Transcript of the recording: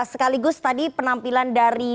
sekaligus tadi penampilan dari